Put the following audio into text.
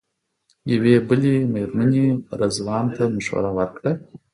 یوې بلې مېرمنې رضوان ته مشوره ورکړه.